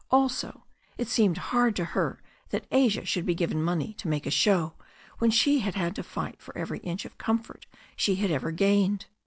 Also, it seemed hard to her that Asia should be given money to make a show, when she had had to fight for every inch of comfort she had ever gained.